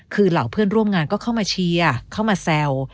คือเหล่าเพื่อนร่วมงานก็เข้ามาเชียร์เข้ามาแซว